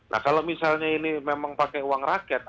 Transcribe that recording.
nah kalau misalnya ini memang pakai uang rakyat